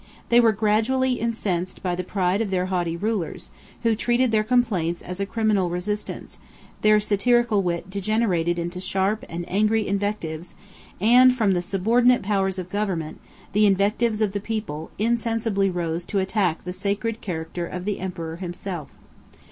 They were gradually incensed by the pride of their haughty rulers, who treated their complaints as a criminal resistance; their satirical wit degenerated into sharp and angry invectives; and, from the subordinate powers of government, the invectives of the people insensibly rose to attack the sacred character of the emperor himself.